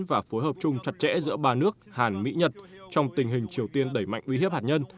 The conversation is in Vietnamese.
và phối hợp chung chặt chẽ giữa ba nước hàn mỹ nhật trong tình hình triều tiên đẩy mạnh uy hiếp hạt nhân